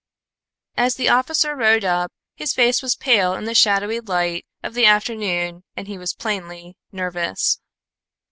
As the officer rode up, his face was pale in the shadowy light of the afternoon and he was plainly nervous.